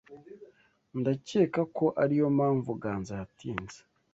Ndakeka ko ariyo mpamvu Ganza yatinze.